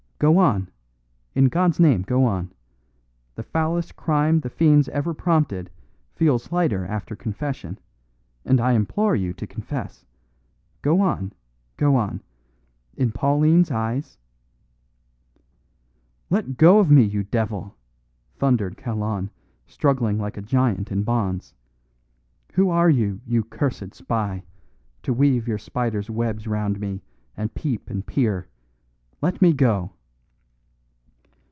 "Go on in God's name, go on. The foulest crime the fiends ever prompted feels lighter after confession; and I implore you to confess. Go on, go on in Pauline's eyes " "Let me go, you devil!" thundered Kalon, struggling like a giant in bonds. "Who are you, you cursed spy, to weave your spiders' webs round me, and peep and peer? Let me go."